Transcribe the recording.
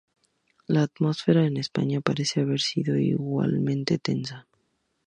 La atmósfera en España parece haber sido igualmente tensa.